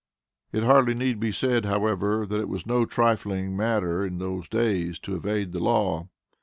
It hardly need be said, however, that it was no trifling matter in those days, to evade the law.